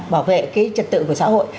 bảo vệ cái trật tự của xã hội